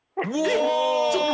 えっ！？